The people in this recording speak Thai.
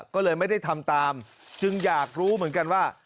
ก็เลยไม่ได้ทำตามจึงอยากรู้เหมือนกันว่า